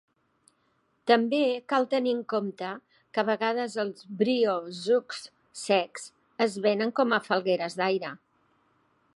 També cal tenir en compte que a vegades els briozous secs es venen com a falgueres d'aire.